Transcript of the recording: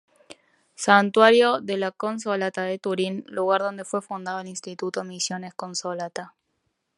Santuario de la Consolata de Turín, lugar donde fue fundado el Instituto Misiones Consolata.